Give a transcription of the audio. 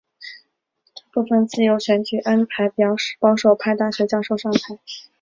其后举行的大部分自由的选举安排保守派大学教授上台。